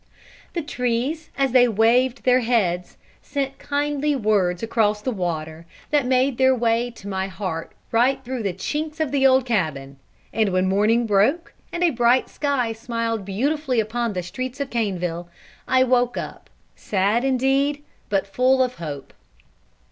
The trees, as they waved their heads, sent kindly words across the water, that made their way to my heart right through the chinks of the old cabin; and when morning broke, and a bright sky smiled beautifully upon the streets of Caneville, I woke up, sad indeed, but full of hope.